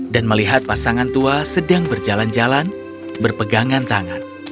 dan melihat pasangan tua sedang berjalan jalan berpegangan tangan